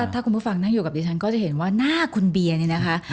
ถ้าคุณผู้ฟังนั่งอยู่กับดิฉันก็จะเห็นว่าหน้าคุณเบียร์เนี่ยนะคะ